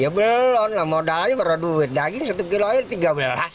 ya belum lah modal aja baru duit daging satu kilo aja tiga belas